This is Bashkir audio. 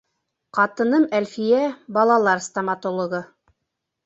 Ҡатыным Әлфиә — балалар стоматологы.